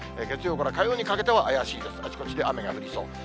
月曜から火曜にかけては怪しいですが、あちこちで少し雨が降りそう。